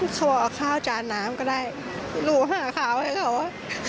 เขาบอกเอาข้าวจานน้ำก็ได้เร็วหาข่าวให้เขาปะ